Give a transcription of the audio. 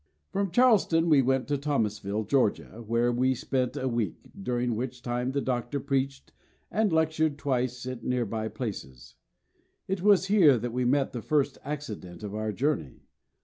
From Charleston we went to Thomasville, Georgia, where we spent a week, during which time the Doctor preached and lectured twice at nearby places. It was here that we met the first accident of our journey.